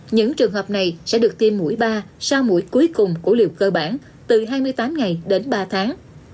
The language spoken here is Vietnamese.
những trường hợp này sẽ được tiêm mũi ba sau mũi cuối cùng của liều cơ bản từ hai mươi tám ngày đến ba tháng